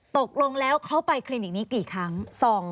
ตกลงแล้วเขาไปคลินิกนี้กี่ครั้ง